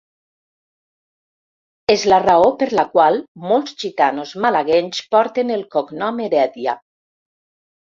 És la raó per la qual molts gitanos malaguenys porten el cognom Heredia.